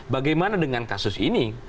bagaimana dengan kasus ini